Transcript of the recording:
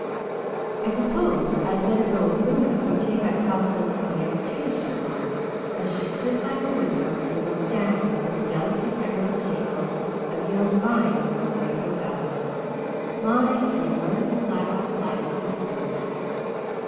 "I suppose I'd better go with Una and take up Household Science too," she thought, as she stood by her window and looked down through a delicate emerald tangle of young vines on Rainbow Valley, lying in a wonderful lilac light of sunset.